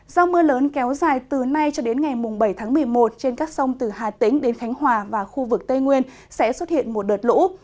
do mưa lớn kéo dài từ nay cho đến ngày bảy tháng một mươi một trên các sông từ hà tĩnh đến khánh hòa và khu vực tây nguyên sẽ xuất hiện một đợt lũ